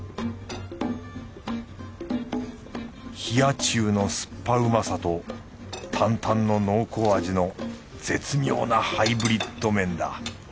冷や中の酸っぱうまさとタンタンの濃厚味の絶妙なハイブリッド麺だ。